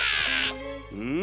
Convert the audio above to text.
うん⁉